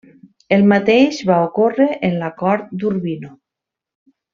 El mateix va ocórrer en la cort d'Urbino.